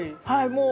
もう。